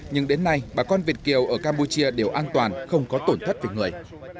nhưng đến nay bà con việt kiều ở campuchia đều an toàn không có tổn thất về người